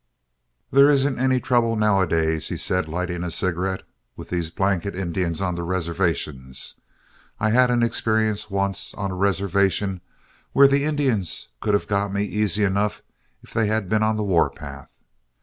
"There isn't any trouble nowadays," said he, lighting a cigarette, "with these blanket Indians on the reservations. I had an experience once on a reservation where the Indians could have got me easy enough if they had been on the war path.